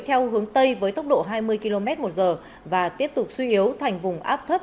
theo hướng tây với tốc độ hai mươi km một giờ và tiếp tục suy yếu thành vùng áp thấp